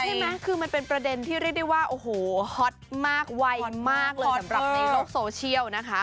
ใช่ไหมคือมันเป็นประเด็นที่เรียกได้ว่าโอ้โหฮอตมากไวมากเลยสำหรับในโลกโซเชียลนะคะ